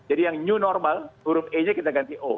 jadi yang new normal huruf e nya kita ganti o